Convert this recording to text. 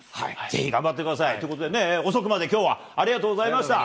ぜひ頑張ってください。ということでね、遅くまで、きょうはありがとうございました。